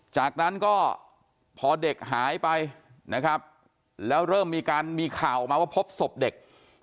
จากนั้นก็พอเด็กหายไปนะครับแล้วเริ่มมีการมีข่าวออกมาว่าพบศพเด็ก